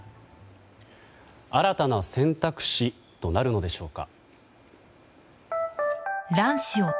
新たな選択肢となるのでしょうか。